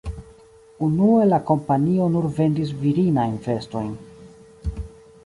Unue la kompanio nur vendis virinajn vestojn.